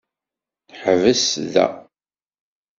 Ḥbes da.